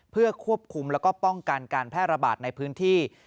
เพื่อควบคุมแล้วก็ป้องกันการแพร่ระบาดในพื้นที่